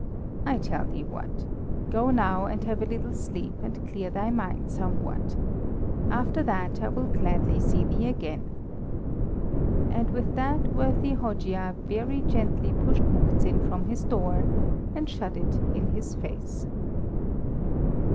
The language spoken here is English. I tell thee what go now and have a little sleep and clear thy mind somewhat. After that I will gladly see thee again." And with that worthy Hojia very gently pushed Muhzin from his door, and shut it in his face.